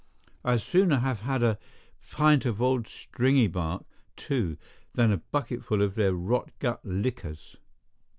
I'd sooner have had a pint of old Stringybark, too, than a bucketful of their rot gut liquors.